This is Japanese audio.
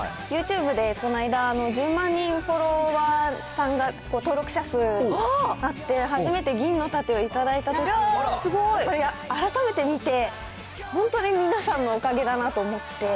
ユーチューブで、この間、１０万人フォロワーさんが、登録者数、あって、初めて銀の盾を頂いたときに、改めて見て、本当に皆さんのおかげだなと思って。